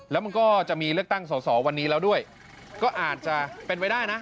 แล้วมันก็จะมีเลือกตั้งสอสอวันนี้แล้วด้วยก็อาจจะเป็นไปได้นะ